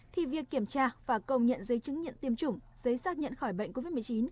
thì việc kiểm tra và công nhận giấy chứng nhận tiêm chủng giấy xác nhận khỏi bệnh covid một mươi chín